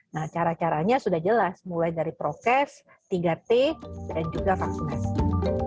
nah cara caranya sudah jelas mulai dari prokes tiga t dan juga vaksinasi